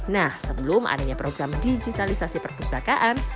nah sebelum adanya program digitalisasi perpustakaan